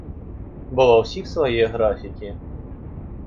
Бо ва ўсіх свае графікі.